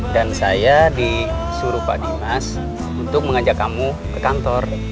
dan saya disuruh pak dimas untuk mengajak kamu ke kantor